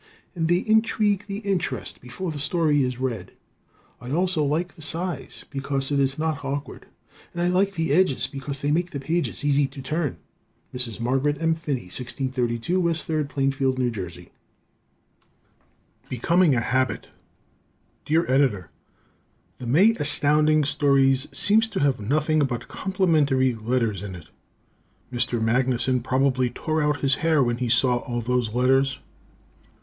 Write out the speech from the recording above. And they intrigue the interest before the story is read. I also like the size, because it is not awkward, and I like the edges because they make the pages easy to turn. Mrs. Margaret M. Phinney, 1632 W. 3rd, Plainfield, N. J. "Becoming a Habit" Dear Editor: The May Astounding Stories seems to have nothing but complimentary letters in it. Mr. Magnuson probably tore out his hair when he saw all those letters.